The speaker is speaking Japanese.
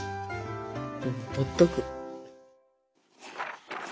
ほっとく。